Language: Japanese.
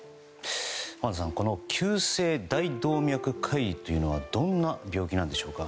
濱田さんこの急性大動脈解離というのはどんな病気なんでしょうか。